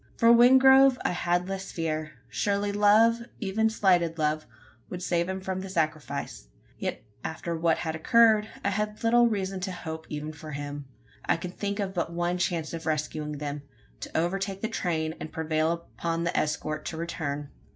For Wingrove I had less fear. Surely love even slighted love would save him from the sacrifice? Yet, after what had occurred, I had but little reason to hope even for him. I could think of but one chance of rescuing them: to overtake the train, and prevail upon the escort to return.